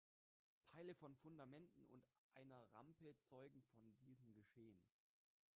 Teile von Fundamenten und einer Rampe zeugen von diesem Geschehen.